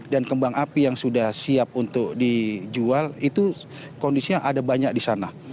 dan kembang api yang sudah siap untuk dijual itu kondisinya ada banyak di sana